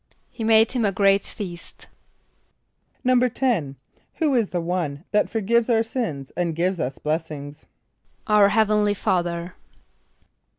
=He made him a great feast.= =10.= Who is the one that forgives our sins and gives us blessings? =Our Heavenly Father.